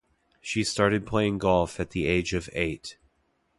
She started playing golf at the age of eight.